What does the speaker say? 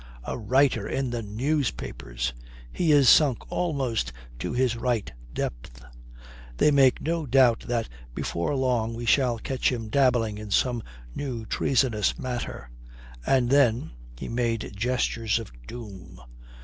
A writer in the newspapers! He is sunk almost to his right depth. They make no doubt that before long we shall catch him dabbling in some new treasonous matter. And then " he made gestures of doom.